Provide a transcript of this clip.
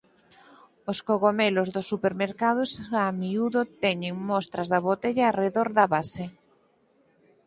Os cogomelos dos supermercados a miúdo teñen mostras da botella arredor da base.